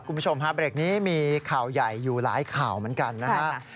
คุณผู้ชมฮะเบรกนี้มีข่าวใหญ่อยู่หลายข่าวเหมือนกันนะครับ